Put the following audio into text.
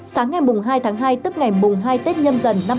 sáng ngày hai tháng hai tức ngày hai tết nhâm dần năm hai nghìn hai mươi hai